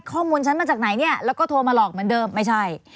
ข้อมูลฉันมาจากไหนแล้วก็โทรมาหลอกเหมือนเดิมไม่ใช่